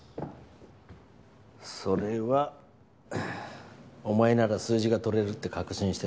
それはお前なら数字が取れるって確信してるからだ。